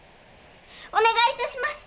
お願い致します。